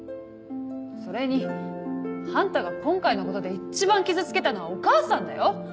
それにあんたが今回のことで一番傷つけたのはお母さんだよ。